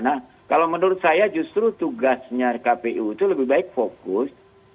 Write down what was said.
nah kalau menurut saya justru tugasnya kpu itu lebih baik fokus